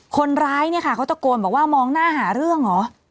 คนร้ายเนี่ยค่ะเขาตะโกนบอกว่ามองหน้าหาเรื่องเหรอ